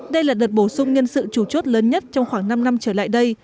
đây là đợt bổ sung nhân sự chủ chốt lớn nhất trong khoảng năm năm trở lại đây